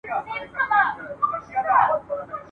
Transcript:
داسي تېر سو لکه خوب وي چا لېدلی ..